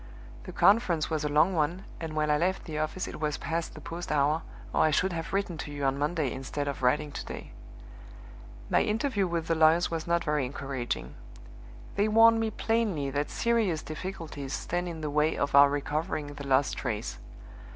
The conference was a long one, and when I left the office it was past the post hour, or I should have written to you on Monday instead of writing to day. My interview with the lawyers was not very encouraging. They warn me plainly that serious difficulties stand in the way of our recovering the lost trace.